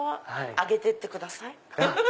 上げてってください。